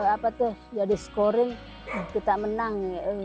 apa tuh jadi scoring kita menang